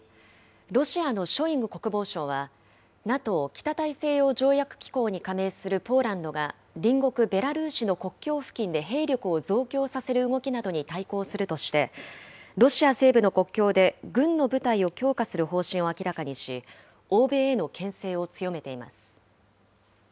ロシアのショイグ国防相は、ＮＡＴＯ・北大西洋条約機構に加盟するポーランドが、隣国ベラルーシの国境付近で兵力を増強させる動きなどに対抗するとして、ロシア西部の国境で軍の部隊を強化する方針を明らかにし、欧米へのけん制を強めています。